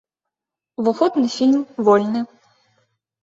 Уваход на фільм вольны.